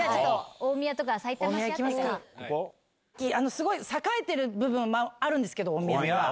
すごい栄えてる部分あるんですけど大宮は。